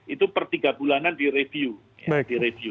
itu per tiga bulanan direview